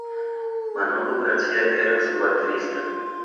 Manolo García era su baterista.